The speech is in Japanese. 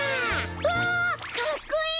わあかっこいい！